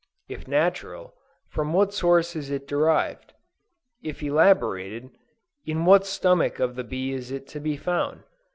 If natural, from what source is it derived? If elaborated, in what stomach of the bee is it to be found?